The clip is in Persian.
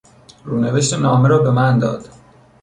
رونوشت نامه را به من داد.